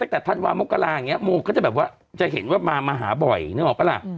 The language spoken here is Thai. ธันวามกราอย่างนี้โมก็จะแบบว่าจะเห็นว่ามามาหาบ่อยนึกออกปะล่ะ